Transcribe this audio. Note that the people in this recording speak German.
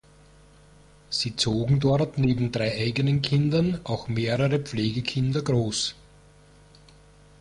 Sie zogen dort neben drei eigenen Kindern auch mehrere Pflegekinder groß.